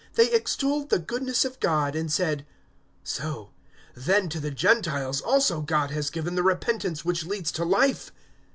They extolled the goodness of God, and said, "So, then, to the Gentiles also God has given the repentance which leads to Life."